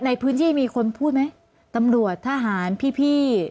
ในพื้นที่มีคนพูดไหมตำรวจทหารพี่พี่